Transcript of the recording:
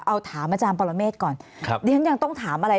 เอาถามอาจารย์ปรเมฆก่อนครับดิฉันยังต้องถามอะไร